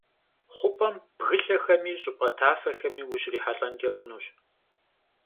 Xhup'em bgılhexemi ş'ıp'e tafexemi vuşrihelh'enç'e xhunuş.